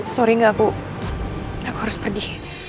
sorry gak aku harus pergi